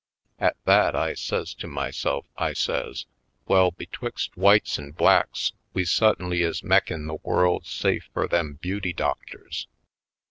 At that I says to myself, I says : "Well, betwixt w'ites an' blacks we su*t tinly is mekin' the world safe fur them beauty doctors.